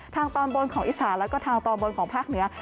ทางตอบบนของอิสราและก็ทางตอบบนของภาคนี้